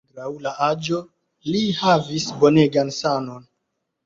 Malgraŭ la aĝo, li havis bonegan sanon.